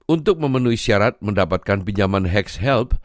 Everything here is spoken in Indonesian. untuk memenuhi syarat mendapatkan pinjaman hex help